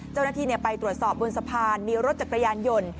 เจ้าหน้าที่ไปตรวจสอบบนสะพานมีรถจักรยานยนต์